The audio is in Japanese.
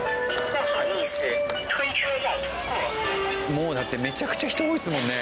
もうだってめちゃくちゃ人多いですもんね。